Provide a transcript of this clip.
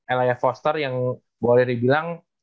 ellaya foster yang boleh dibilang